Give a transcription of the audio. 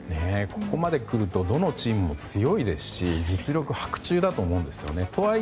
ここまでくるとどのチームも強いですし実力伯仲だと思うんですよね。